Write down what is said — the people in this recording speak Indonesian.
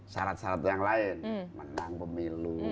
syarat syarat yang lain menang pemilu